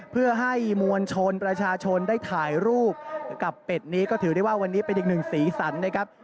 เพื่อให้มวลชนประชาชนได้ถ่ายรูปกับเป็ดนี้ก็ถือได้ว่าวันนี้เป็นอีกหนึ่งสีสันนะครับ